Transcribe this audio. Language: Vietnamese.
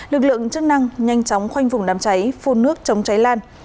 lực lượng chức năng nhanh chóng khoanh vùng đám cháy phun nước chống cháy lan